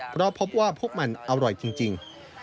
เพราะพบว่าพวกมันอร่อยจริง